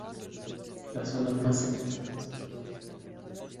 Las zonas más secas se consagran a la vid.